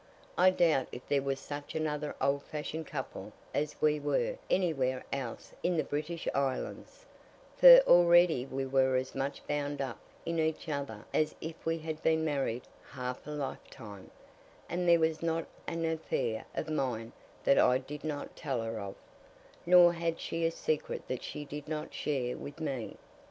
I doubt if there was such another old fashioned couple as we were anywhere else in the British Islands, for already we were as much bound up in each other as if we had been married half a lifetime, and there was not an affair of mine that I did not tell her of, nor had she a secret that she did not share with me.